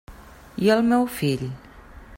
I el meu fill?